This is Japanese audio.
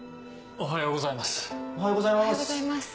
おはようございます。